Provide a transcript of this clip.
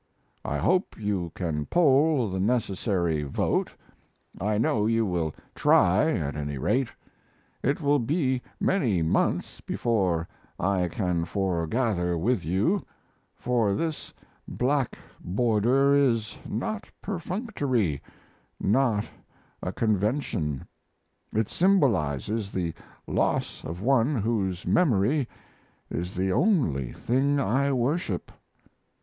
I hope you can poll the necessary vote; I know you will try, at any rate. It will be many months before I can foregather with you, for this black border is not perfunctory, not a convention; it symbolizes the loss of one whose memory is the only thing I worship.